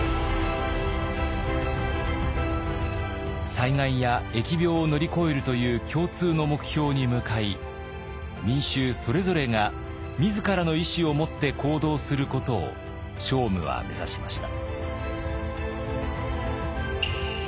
災害や疫病を乗り越えるという共通の目標に向かい民衆それぞれが自らの意思を持って行動することを聖武は目指しました。